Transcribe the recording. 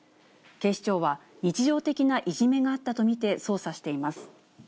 警視庁は、日常的ないじめがあったと見て、捜査しています。